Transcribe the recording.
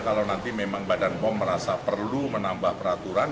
kalau nanti memang badan pom merasa perlu menambah peraturan